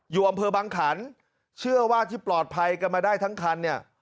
อยู่อำเภอบังขันเชื่อว่าที่ปลอดภัยกันมาได้ทั้งคันเนี่ย